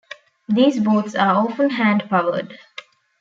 These boats are often hand powered.